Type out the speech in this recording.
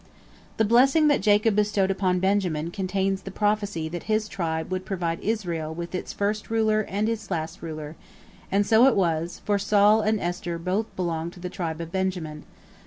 The blessing that Jacob bestowed upon Benjamin contains the prophecy that his tribe would provide Israel with his first ruler and his last ruler, and so it was, for Saul and Esther both belonged to the tribe of Benjamin.